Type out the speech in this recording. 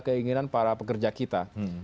keinginan para pekerja kita